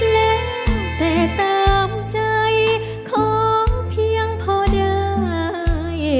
เล่นแต่ตามใจของเพียงพอได้